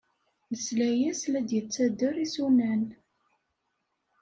Nesla-as la d-yettader isunan.